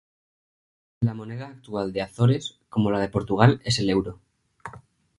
La moneda actual de Azores, como la de Portugal es el Euro.